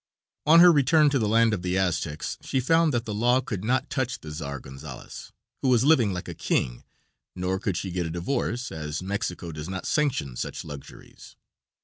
On her return to the land of the Aztecs, she found that the law could not touch the Czar Gonzales, who was living like a king, nor could she get a divorce, as Mexico does not sanction such luxuries.